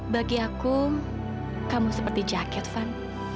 bagi aku kamu seperti jaket van